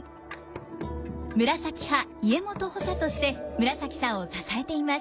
紫派家元補佐として紫さんを支えています。